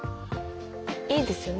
いいですよね